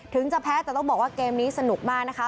ถึงจะแพ้แต่ต้องบอกว่าเกมนี้สนุกมากนะคะ